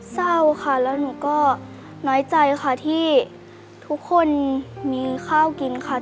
เศร้าค่ะแล้วหนูก็น้อยใจค่ะที่ทุกคนมีข้าวกินค่ะ